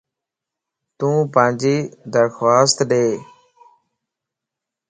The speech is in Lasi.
تون پانجي درخواست ڏي